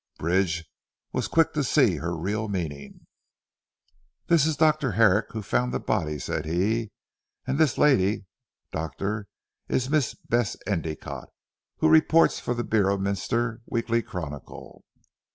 Bridge was quick to see her real meaning. "This is Dr. Herrick, who found the body," said he, "and this lady, doctor is Miss Bess Endicotte, who reports for the Beorminster Weekly Chronicle."